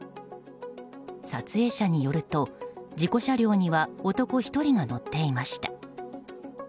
撮影者によると事故車両には男１人が乗っていました。